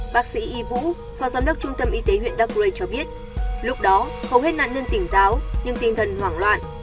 bác sĩ y vũ phòng giám đốc trung tâm y tế huyện dark ray cho biết lúc đó hầu hết nạn nương tỉnh táo nhưng tinh thần hoảng loạn